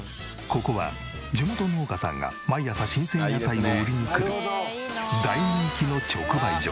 ここは地元農家さんが毎朝新鮮野菜を売りにくる大人気の直売所。